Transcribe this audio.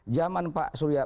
jaman pak suria